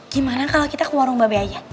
gimana kalau kita ke warung babe aja